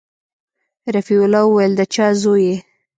رفيع الله وويل د چا زوى يې.